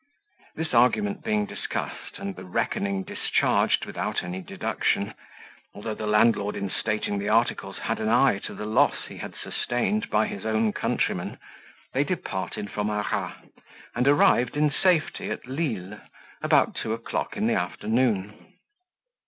This argument being discussed, and the reckoning discharged without any deduction, although the landlord, in stating the articles, had an eye to the loss he had sustained by his own countrymen, they departed from Arras, and arrived in safety at Lisle, about two o'clock in the afternoon.